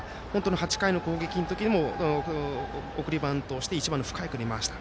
８回の攻撃でも送りバントをして１番の深谷君に回した。